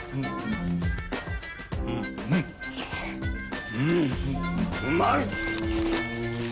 うまい！